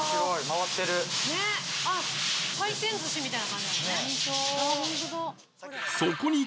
回転寿司みたいな感じなのね。